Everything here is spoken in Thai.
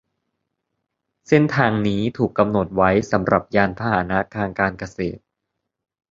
เส้นทางนี้ถูกกำหนดไว้สำหรับยานพาหนะทางการเกษตร